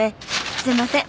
すいません